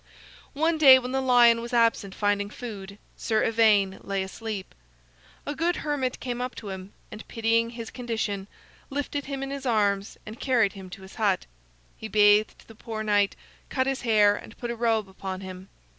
One day when the lion was absent finding food, Sir Ivaine lay asleep. A good hermit came up to him, and pitying his condition, lifted him in his arms and carried him to his hut. He bathed the poor knight, cut his hair, and put a robe upon him.